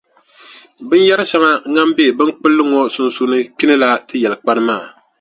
Binyɛrʼ shɛŋa ŋan be binkpulli ŋɔ sunsuuni kpinila ti yɛltɔɣikpani maa.